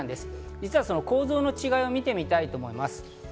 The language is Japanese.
実は構造の違いを見てみたいと思います。